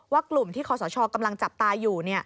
กลุ่มที่คอสชกำลังจับตาอยู่